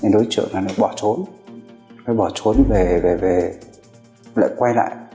đối tượng là nó bỏ trốn nó bỏ trốn về về về lại quay lại